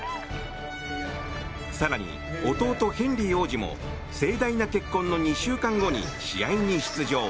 更に弟ヘンリー王子も盛大な結婚の２週間後に試合に出場。